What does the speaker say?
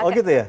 oh gitu ya